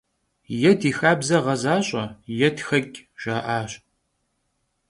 Е ди хабзэ гъэзащӀэ, е тхэкӀ, - жаӀащ.